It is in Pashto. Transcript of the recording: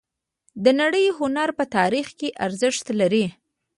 د نړۍ د هنر په تاریخ کې ارزښت لري